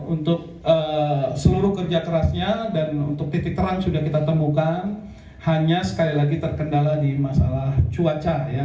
untuk seluruh kerja kerasnya dan untuk titik terang sudah kita temukan hanya sekali lagi terkendala di masalah cuaca ya